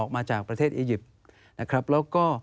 แล้วก็